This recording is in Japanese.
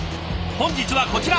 本日はこちら。